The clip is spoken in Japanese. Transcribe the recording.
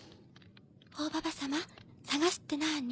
大ババ様探すってなに？